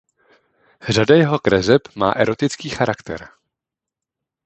Řada jeho kreseb má erotický charakter.